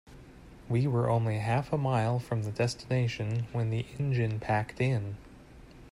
We were only half a mile from the destination when the engine packed in.